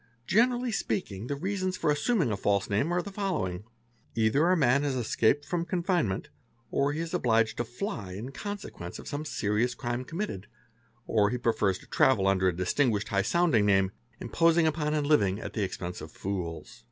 :: Generally speaking, the reasons for assuming a false name are the following: either our man has escaped from confinement, or he is obliged to fly in consequence of some serious crime committed, or he prefers to travel under a distinguished, high sounding name, imposing upon and living at the expense of fools.